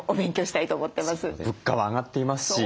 物価は上がっていますし。